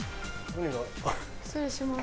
失礼します。